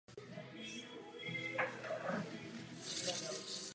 Na severovýchodě stálo zřejmě šest usedlostí a naproti nim čtyři až šest usedlostí.